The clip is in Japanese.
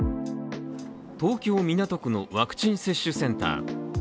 東京・港区のワクチン接種センター。